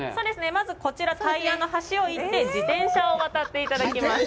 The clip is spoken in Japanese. まず、こちら、タイヤの橋を行って自転車で渡っていただきます。